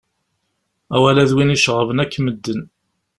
Awal-a d win iceɣben akk medden.